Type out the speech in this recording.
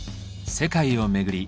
世界を巡り